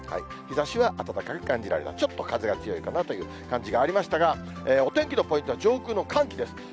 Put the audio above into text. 日ざしは暖かく感じられた、ちょっと風が強いかなという感じがありましたが、お天気のポイントは上空の寒気です。